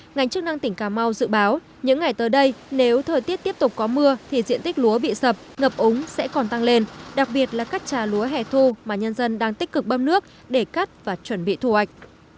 ngành chức năng tỉnh cà mau dự báo những ngày tới đây nếu thời tiết tiếp tục có mưa thì diện tích lúa bị sập ngập úng sẽ còn tăng lên đặc biệt là các trà lúa hẻ thu mà nhân dân đang tích cực bơm nước để cắt và chuẩn bị thu hoạch